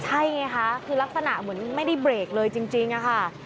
ใช่ไงคะคือลักษณะเหมือนไม่ได้เบรกเลยจริงอะค่ะ